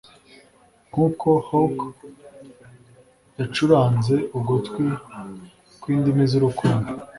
nkuko hawk yacuranze ugutwi kwindimi zurukundo